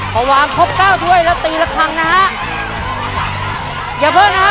พอวางครบเก้าถ้วยแล้วตีละครั้งนะฮะอย่าเบิ้ลนะฮะ